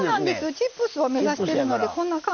チップスを目指してるのでこんな感じ。